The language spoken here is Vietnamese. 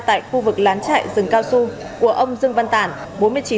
tại khu vực lán chạy rừng cao su của ông dương văn tản bốn mươi chín tuổi